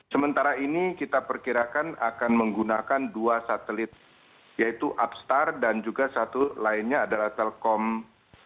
sementara ini kita perkirakan akan menggunakan dua satelit yaitu upstar dan juga satu lainnya adalah telkom